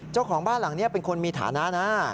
เจ้าของบ้านหลังนี้เป็นคนมีฐานะนะ